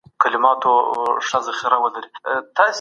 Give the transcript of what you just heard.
بهرنۍ تګلاره بې له مشارکت نه نه پیاوړې کيږي.